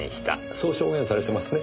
そう証言されてますね？